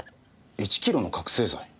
１キロの覚せい剤？